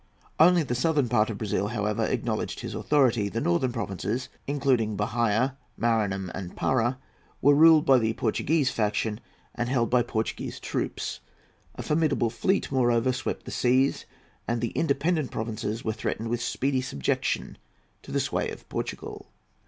Only the southern part of Brazil, however, acknowledged his authority. The northern provinces, including Bahia, Maranham, and Para, were ruled by the Portuguese faction and held by Portuguese troops. A formidable fleet, moreover, swept the seas, and the independent provinces were threatened with speedy subjection to the sway of Portugal.